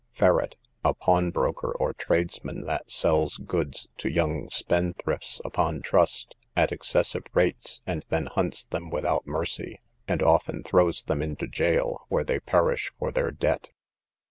Ferret, a pawnbroker or tradesman, that sells goods to young spendthrifts upon trust, at excessive rates, and then hunts them without mercy, and often throws them into jail, where they perish for their debt.